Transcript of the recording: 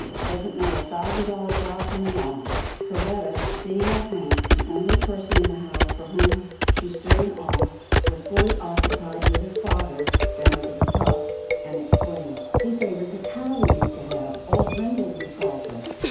Doesn't know a thousand dollar dog from a mongrel." Perletta, seeing that Hank, the only person in the house of whom she stood in awe, was fully occupied with his father, bent over the pup, and exclaimed, " He favours a cow we used to have. Old Brindle we called her.